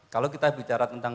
kalau kita bicara tentang